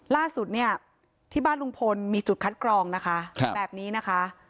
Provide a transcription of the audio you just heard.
ล่าสุดเนี่ยที่บ้านลุงพลมีจุดคัดกรองนะคะแบบนี้นะคะ